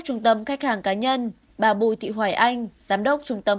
trung tâm khách hàng cá nhân bà bùi thị hoài anh giám đốc trung tâm